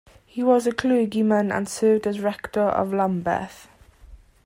He was a clergyman and served as Rector of Lambeth.